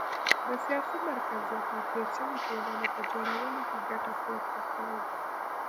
د سیاسي مرکزیت او پېچلې ټولنې په جوړولو کې ګټه پورته کړي